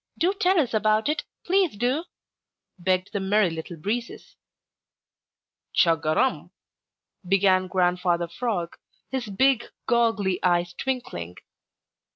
Do tell us about it! Please do!" begged the Merry Little Breezes. "Chug a rum!" began Grandfather Frog, his big, goggly eyes twinkling.